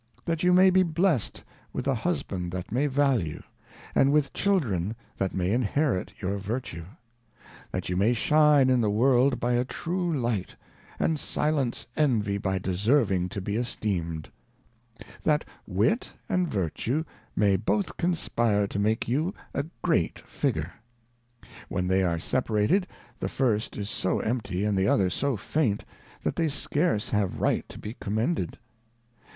That you may be blessed with a Husband that may value, and with Children that may inherit your Vertue ; That you may shine in the World by a true Light, and silence Envy by deserving to be esteemed ; That _Wit and Vertue may both conspire to make you a great Figure. When they are separated, the first is so enipty, and the other^ so faint, that they scarce have right to be commended.